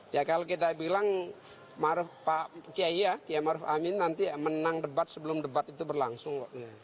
ya kalau kita bilang ma'ruf amin nanti menang debat sebelum debat itu berlangsung